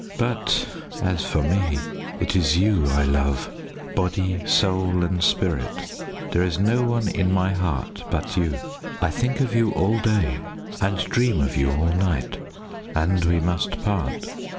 But as for me, it is you I love body, soul, and spirit. There is no one in my heart but you. I think of you all day, and dream of you all night. And we must part.